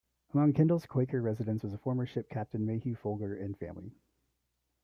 Among Kendal's Quaker residents was a former ship captain Mayhew Folger and family.